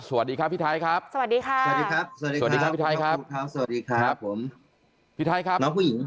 สวัสดีครับพี่ไทยครับสวัสดีครับสวัสดีครับสวัสดีครับ